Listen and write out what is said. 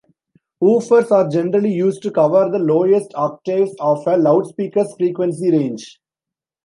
Woofers are generally used to cover the lowest octaves of a loudspeaker's frequency range.